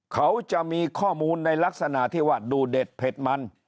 เขาจะมีข้อมูลในลักษณะที่ว่าดูเด็ดเผ็ดมัน